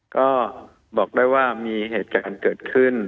ก็บอกได้ว่ามีเหตุการณ์เกิดขึ้น